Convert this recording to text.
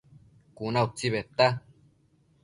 Cuna utsi bedta